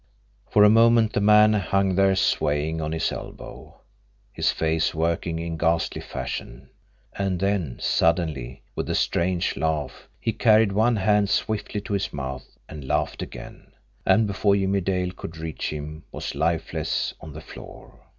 For a moment the man hung there swaying on his elbow, his face working in ghastly fashion and then suddenly, with a strange laugh, he carried one hand swiftly to his mouth and laughed again and before Jimmie Dale could reach him was lifeless on the floor.